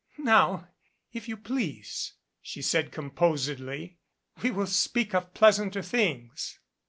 "Now, if you please," she said composedly, "we will speak of pleasanter things."